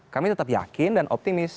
kami tetap yakin dan optimis